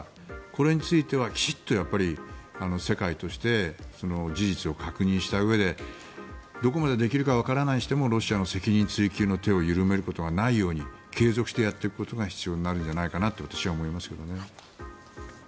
これについてはきちんと世界として事実を確認したうえでどこまでできるかわからないにしてもロシアの責任追及の手を緩めることがないように継続してやっていくことが必要になるのではと私は思いますけどね。